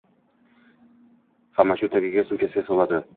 hamma cho’ntagiga, sumkasiga soladi..